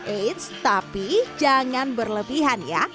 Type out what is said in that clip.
eits tapi jangan berlebihan ya